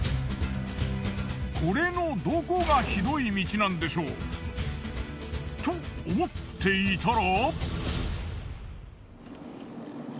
これのどこが酷い道なんでしょう？と思っていたら。